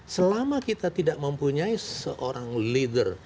selama kita tidak mempunyai seorang leader